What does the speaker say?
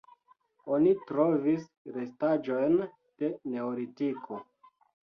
Oni trovis restaĵojn de neolitiko.